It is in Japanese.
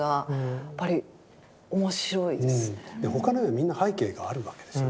他の絵はみんな背景があるわけですよ